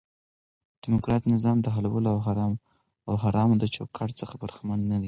ډیموکراټ نظام دحلالو او حرامو د چوکاټ څخه برخمن نه دي.